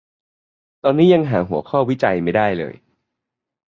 ตอนนี้ยังหาหัวข้อวิจัยไม่ได้เลย